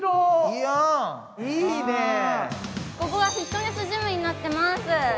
ここはフィットネスジムになっています。